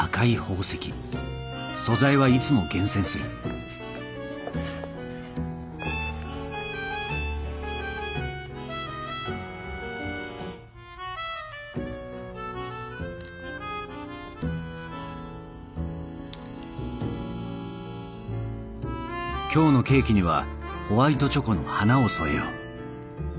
素材はいつも厳選する今日のケーキにはホワイトチョコの花を添えよう。